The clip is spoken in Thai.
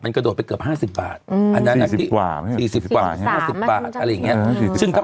มันกระโดดไปเกือบ๕๐บาท